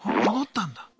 戻ったんだ。